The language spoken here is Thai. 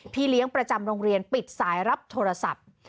พี่เลี้ยงประจำโรงเรียนปิดสายรับโทรศัพท์